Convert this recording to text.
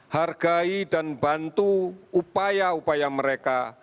hargai dan bantu upaya upaya mereka